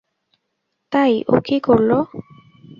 তাই ও কী করলো?